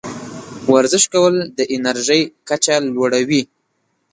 ورزش کول د انرژۍ کچه لوړوي.